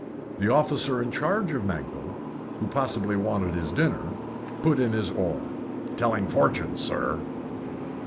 The officer in charge of Mankell, who possibly wanted his dinner, put in his oar. "Telling fortunes, sir."